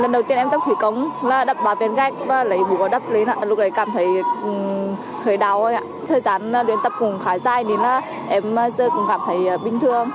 dài đến là em giờ cũng cảm thấy bình thường